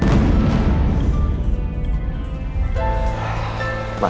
gue mau berbicara sama lo